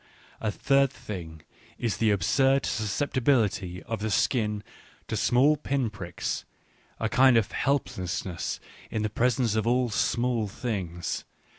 A third thing is the absurd susceptibility of the skin to small pin pricks, a kind of helplessness in the presence of all small things.